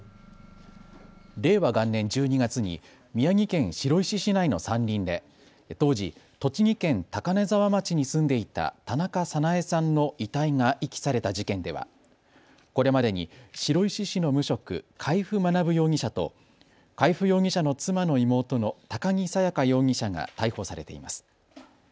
令和元年１２月に宮城県白石市内の山林で当時、栃木県高根沢町に住んでいた田中早苗さんの遺体が遺棄された事件ではこれまでに白石市の無職、海部学容疑者と海部容疑者の妻の妹の高木沙耶花容疑者が逮捕されています。